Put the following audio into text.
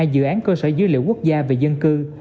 hai dự án cơ sở dữ liệu quốc gia về dân cư